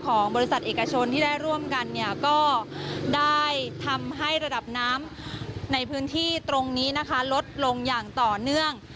ของบริษัทเอกชนที่ได้ร่วมกันเนี่ยก็ได้ทำให้ระดับน้ำในพื้นที่ตรงนี้นะคะลดลงอย่างต่อเนื่อง